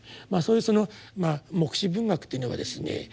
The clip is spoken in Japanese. そういうその黙示文学っていうのはですね